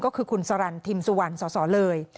ก็คือคุณสรรทิมสุวรรณสสเลย